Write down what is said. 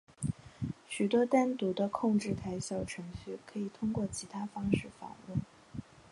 许多单独的控制台小程序可以通过其他方式访问。